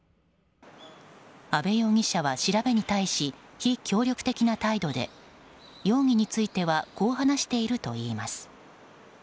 阿部容疑者は調べに対し非協力的な態度で容疑についてはこう話しているといいます。